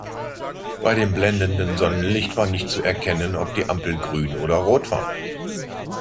Bei dem blendenden Sonnenlicht war nicht zu erkennen, ob die Ampel grün oder rot war.